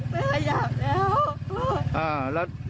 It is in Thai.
ไม่ขยับแล้ว